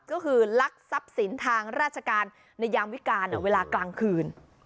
ก็คือลักทรัพย์สินทางราชการในยามวิการเวลากลางคืน